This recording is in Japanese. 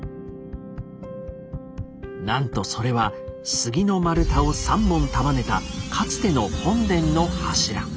なんとそれは杉の丸太を３本束ねたかつての本殿の柱。